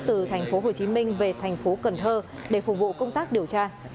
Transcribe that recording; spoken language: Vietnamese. từ thành phố hồ chí minh về thành phố cần thơ để phục vụ công tác điều tra